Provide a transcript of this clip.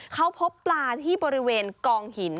เขาพบปลาที่บริเวณกองหิน